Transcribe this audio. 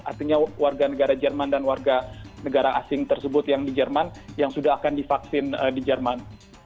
artinya warga negara jerman dan warga negara asing tersebut yang di jerman yang sudah akan divaksin di jerman